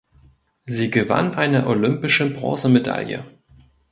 Sie gewann eine olympische Bronzemedaille.